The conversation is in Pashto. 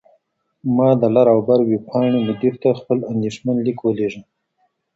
ما د «لر او بر» ویبپاڼې مدیر ته خپل اندیښمن لیک ولیږه.